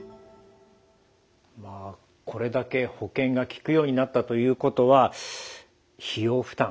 まあこれだけ保険がきくようになったということは費用負担